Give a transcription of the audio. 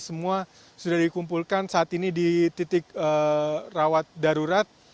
semua sudah dikumpulkan saat ini di titik rawat darurat